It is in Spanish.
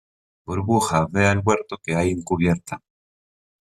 burbuja, ve al huerto que hay en cubierta